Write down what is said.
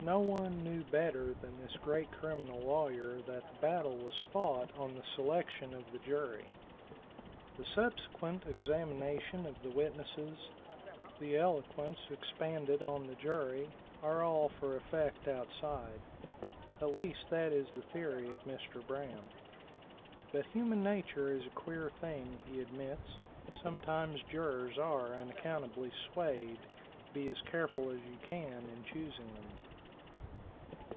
No one knew better than this great criminal lawyer that the battle was fought on the selection of the jury. The subsequent examination of witnesses, the eloquence expended on the jury are all for effect outside. At least that is the theory of Mr. Braham. But human nature is a queer thing, he admits; sometimes jurors are unaccountably swayed, be as careful as you can in choosing them.